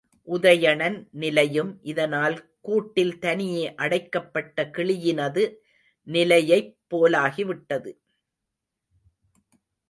உதயணன் நிலையும் இதனால் கூட்டில் தனியே அடைக்கப்பட்ட கிளியினது நிலையைப் போலாகிவிட்டது.